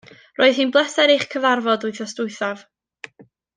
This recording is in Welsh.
Roedd hi'n bleser eich cyfarfod wythnos diwethaf